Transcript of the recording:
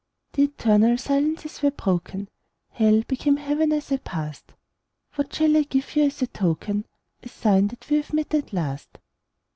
The eternal silences were broken; Hell became Heaven as I passed. What shall I give you as a token, A sign that we have met, at last?